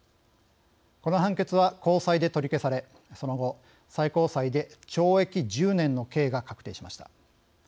この判決は高裁で取り消されその後、最高裁で懲役１０年の刑が確定しました。